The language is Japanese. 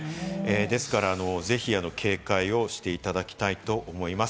ですからぜひ警戒をしていただきたいと思います。